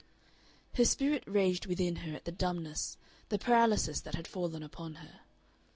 Her spirit raged within her at the dumbness, the paralysis that had fallen upon her.